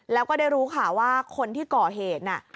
แล้วก็ได้รู้ข่าวว่าคนที่ก่อเหตุน่ะ